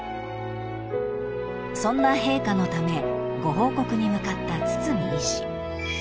［そんな陛下のためご報告に向かった堤医師］